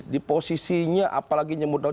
di posisinya apalagi nyemut daun